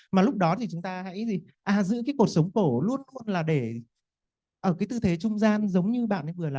mà lúc đó thì chúng ta hãy giữ cái cột sống cổ luôn luôn là để ở cái tư thế trung gian giống như bạn ấy vừa làm